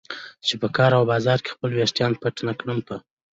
چې په کار او بازار کې خپل ویښتان پټ نه کړم. په